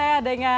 ya anda juga